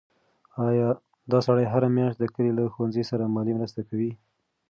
دا سړی هره میاشت د کلي له ښوونځي سره مالي مرسته کوي.